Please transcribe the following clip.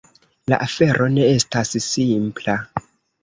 La afero ne estas simpla.